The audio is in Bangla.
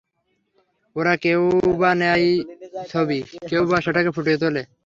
ওরা কেউ-বা নেয় ছবি, কেউ-বা সেটাকে ফুটিয়ে তোলে।